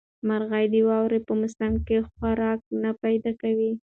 مرغۍ د واورې په موسم کې خوراک نه پیدا کوي.